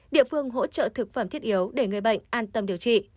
địa phương hỗ trợ thực phẩm thiết yếu để người bệnh an tâm điều trị